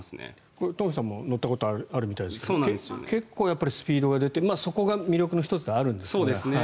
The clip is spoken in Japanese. これ、東輝さんも乗ったことあるみたいですけど結構スピードが出てそこが魅力の１つではあるんですが。